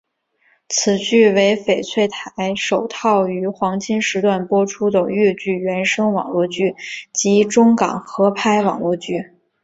此剧为翡翠台首套于黄金时段播出的粤语原声网络剧及中港合拍网络剧。